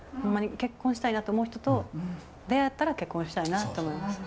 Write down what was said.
結婚したいなと思う人と出会ったら結婚したいなと思いますね。